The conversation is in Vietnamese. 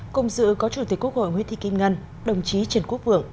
cùng dự có chủ tịch quốc hội nguyễn thị kim ngân đồng chí trần quốc vượng